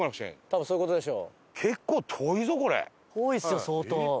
多分そういう事でしょ。